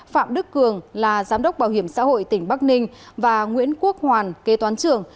phạm đức cường là giám đốc bảo hiểm xã hội tỉnh bắc ninh và nguyễn quốc hoàn kế toán trưởng